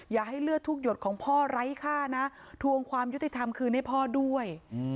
อย่าให้เลือดทุกหยดของพ่อไร้ค่านะทวงความยุติธรรมคืนให้พ่อด้วย